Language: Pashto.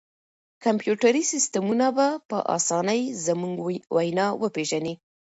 کمپیوټري سیسټمونه به په اسانۍ زموږ وینا وپېژني.